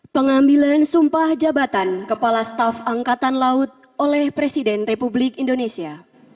pengambilan sumpah jabatan kepala staf angkatan laut oleh presiden republik indonesia